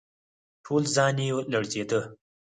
ټول ځان يې لړزېده.